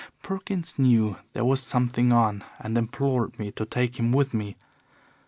Perkins knew there was something on and implored me to take him with me.